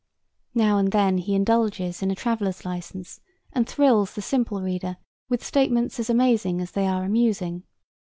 Now and then he indulges in a traveller's licence and thrills the simple reader with statements as amazing as they are amusing.